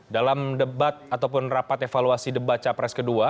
dalam debat ataupun rapat evaluasi debat capres kedua